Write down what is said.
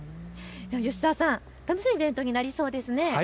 吉澤さん、楽しいイベントになりそうですね。